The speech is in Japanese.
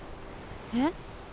えっ？